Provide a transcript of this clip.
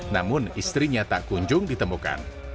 namun istrinya tak kunjung ditemukan